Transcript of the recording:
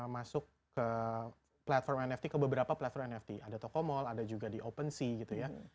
masuk ke platform nfc ke beberapa platform nfc ada tokomol ada juga di opensea gitu ya